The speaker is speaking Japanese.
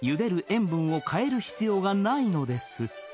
塩分を変える必要がないのです